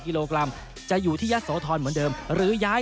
เตรียมป้องกันแชมป์ที่ไทยรัฐไฟล์นี้โดยเฉพาะ